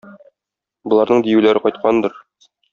Боларның диюләре кайткандыр.